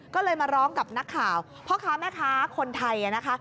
ก็เลยมาร้องกับนักข่าวพ่อค้าแม่ค้าคนไทยนะคะ